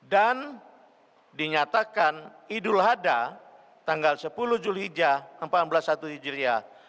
dan dinyatakan idul hada tanggal sepuluh julhijah seribu empat ratus empat puluh satu hijriah